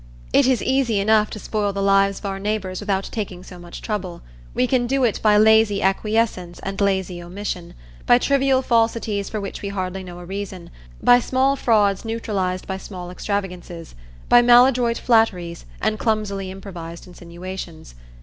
It is easy enough to spoil the lives of our neighbours without taking so much trouble; we can do it by lazy acquiescence and lazy omission, by trivial falsities for which we hardly know a reason, by small frauds neutralised by small extravagances, by maladroit flatteries, and clumsily improvised insinuations.